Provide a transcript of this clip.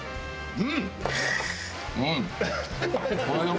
うん。